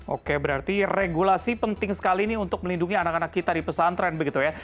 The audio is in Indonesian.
oke berarti regulasi penting sekali untuk melindungi anak anak kita di pesantren